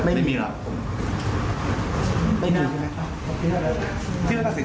คิดว่ามีผีมาตามมาฟังหรือเปล่าพี่